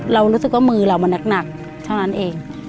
เรารู้สึกว่ามือเรามันนักเท่านั้นเอง